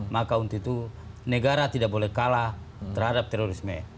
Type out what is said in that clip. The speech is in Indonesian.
maka untuk itu negara tidak boleh kalah terhadap terorisme